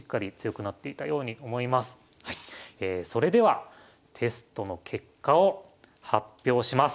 それではテストの結果を発表します。